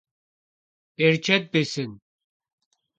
Berıçet bêsın.